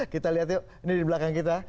kita lihat yuk ini di belakang kita